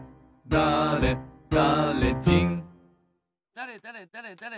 だれだれだれだれ